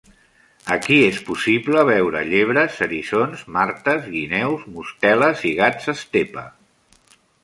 Aquí és possible veure llebres, eriçons, martes, guineus, mosteles i gats estepa.